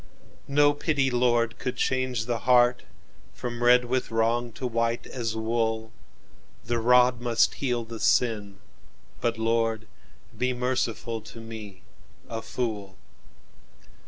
"No pity, Lord, could change the heartFrom red with wrong to white as wool; The rod must heal the sin: but, Lord, Be merciful to me, a fool!